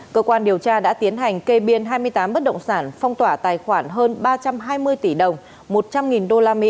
cơ quan điều tra đã tiến hành kê biên hai mươi tám bất động sản phong tỏa tài khoản hơn ba trăm hai mươi tỷ đồng một trăm linh usd